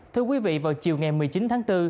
thưa quý vị vào chiều ngày một mươi chín tháng bốn